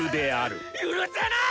許せない！